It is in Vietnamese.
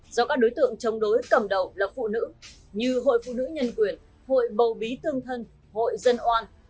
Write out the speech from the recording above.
do các đối tượng chống đối cầm đầu là phụ nữ như hội phụ nữ nhân quyền hội bầu bí tương thân hội dân oan